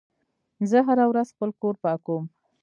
زه هره ورځ خپل کور پاکوم.